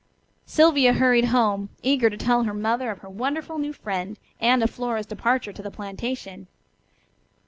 Sylvia hurried home, eager to tell her mother of her wonderful new friend, and of Flora's departure to the plantation.